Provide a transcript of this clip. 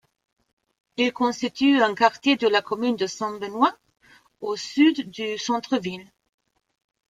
Il constitue un quartier de la commune de Saint-Benoît au sud du centre-ville.